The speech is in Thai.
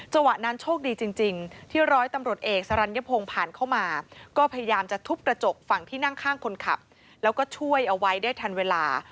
จังหวะนั้นโชคดีจริงที่ร้อยตำรวจเอกสรรยพงศ์ผ่านเข้ามาก็พยายามจะทุบกระจกฝั่งที่นั่งข้างคนขับแล้วก็ช่วยเอาไว้ได้ทันเวลา